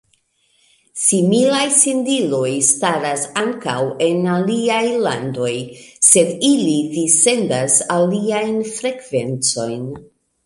Similaj sendiloj staras ankaŭ en aliaj landoj, sed ili dissendas aliajn frekvencojn.